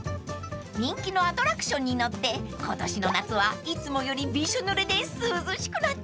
［人気のアトラクションに乗って今年の夏はいつもよりびしょぬれで涼しくなっちゃいましょう］